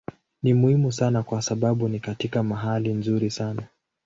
Ni muhimu sana kwa sababu ni katika mahali nzuri sana.